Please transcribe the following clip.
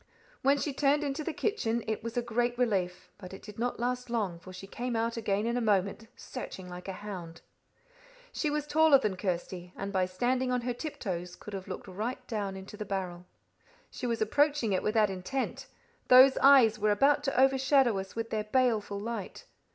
When she turned into the kitchen, it was a great relief; but it did not last long, for she came out again in a moment, searching like a hound. She was taller than Kirsty, and by standing on her tiptoes could have looked right down into the barrel. She was approaching it with that intent those eyes were about to overshadow us with their baleful light.